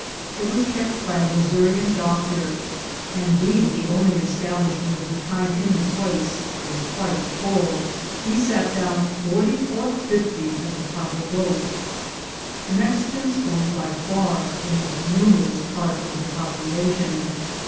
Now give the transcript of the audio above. It was kept by a Missourian doctor, and being the only establishment of the kind in the place, was quite full. We sat down forty or fifty at the table d'hote. The Mexicans formed by far the most numerous part of the population.